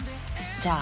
じゃあ。